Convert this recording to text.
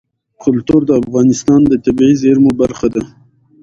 کلتور د افغانستان د طبیعي زیرمو برخه ده.